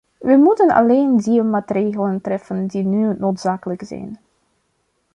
Wij moeten alleen die maatregelen treffen die nu noodzakelijk zijn.